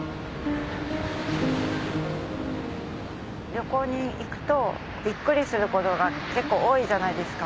旅行に行くとビックリすることが結構多いじゃないですか。